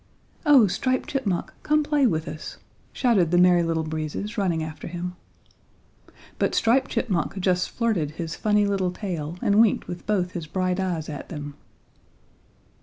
"Oh, Striped Chipmunk, come play with us," shouted the Merry Little Breezes, running after him. But Striped Chipmunk just flirted his funny little tail and winked with both his bright eyes at them.